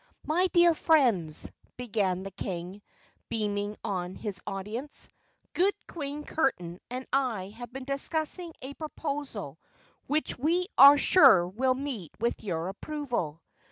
"My dear friends," began the King, beaming on his audience, "good Queen Curtain and I have been discussing a proposal which we are sure will meet with your approval.